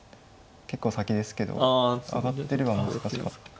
結構先ですけど上がってれば難しかった。